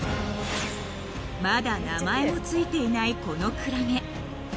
［まだ名前も付いていないこのクラゲ］